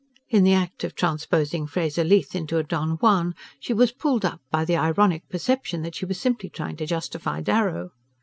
In the act of transposing Fraser Leath into a Don Juan she was pulled up by the ironic perception that she was simply trying to justify Darrow.